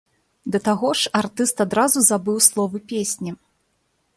Да таго ж, артыст адразу забыў словы песні.